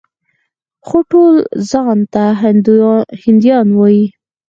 خو ټول ځان ته هندیان وايي.